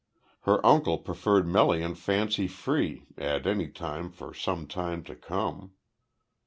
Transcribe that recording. Her uncle preferred Melian fancy free, at any rate for some time to come.